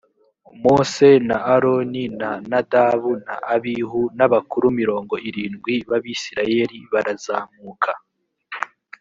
mose na aroni na nadabu na abihu n’abakuru mirongo irindwi b’abisirayeli barazamuka